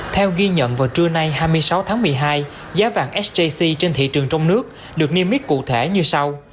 theo ghi nhận vào trưa nay hai mươi sáu tháng một mươi hai giá vàng sjc trên thị trường trong nước được niêm yết cụ thể như sau